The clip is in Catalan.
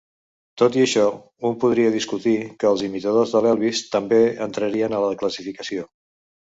Tot i això, un podria discutir que els imitadors de l'Elvis també entrarien a la classificació.